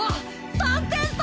３点差！